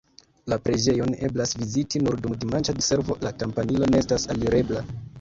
La preĝejon eblas viziti nur dum dimanĉa diservo, la kampanilo ne estas alirebla.